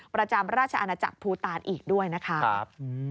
ประจำราชอาณาจักรภูตานอีกด้วยนะคะ